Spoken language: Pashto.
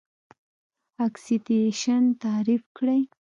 اکسیدیشن تعریف کړئ.